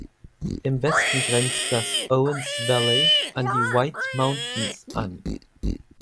Im Westen grenzt das Owens Valley an die "White Mountains" an.